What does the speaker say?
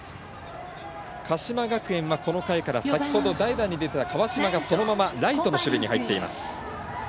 鹿島学園はこの回から先ほど代打に出た川島がそのままライトの守備に入っています。